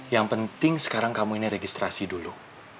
yang penting sekarang kamu ini registrasi dulu